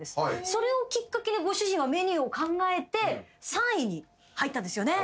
それをきっかけにご主人はメニューを考えて３位に入ったんですよね。